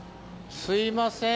すいません。